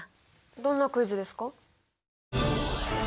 どんなクイズですか？